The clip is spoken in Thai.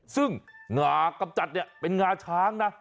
ซึ่งงากำจัดเนี่ยเป็นงาช้างนะ